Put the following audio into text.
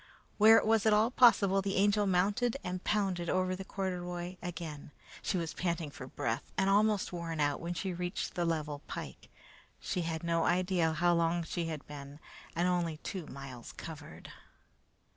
Where it was at all possible, the Angel mounted and pounded over the corduroy again. She was panting for breath and almost worn out when she reached the level pike. She had no idea how long she had been and only two miles covered.